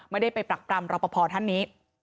ไม่ได้ไปปรักปรำรอปภท่านนี้